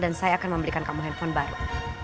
dan saya akan memberikan kamu handphone baru